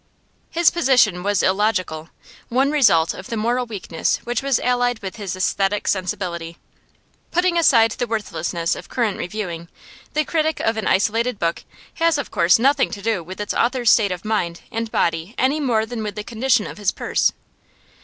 His position was illogical one result of the moral weakness which was allied with his aesthetic sensibility. Putting aside the worthlessness of current reviewing, the critic of an isolated book has of course nothing to do with its author's state of mind and body any more than with the condition of his purse.